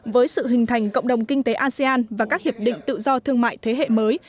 với sự hình thành cộng đồng kinh tế asean và các hiệp định tự do thương mại thế hệ mới